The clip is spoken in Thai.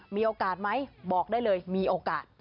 มีโอกาสไหมบอกได้เลยมีโอกาส